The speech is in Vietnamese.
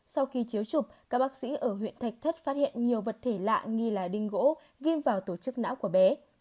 sau khi chiếu chụp các bác sĩ ở huyện thạch thất phát hiện nhiều vật thể lạ nghi là đinh gỗ ghim vào tổ chức não của bé